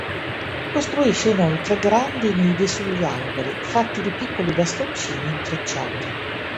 Costruisce inoltre, grandi nidi sugli alberi fatti di piccoli bastoncini intrecciati.